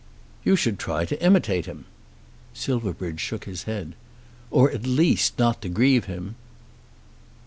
"You should try to imitate him." Silverbridge shook his head. "Or at least not to grieve him."